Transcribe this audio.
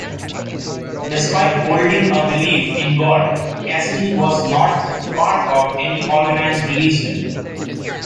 Despite holding a belief in God, Cassidy was not part of any organized religion.